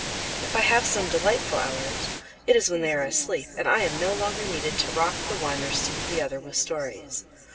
If I have some delightful hours, it is when they are asleep and I am no longer needed to rock the one or soothe the other with stories.